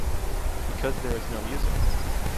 Because there is no music.